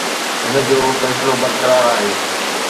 هن جو فيصلو برقرار آهي.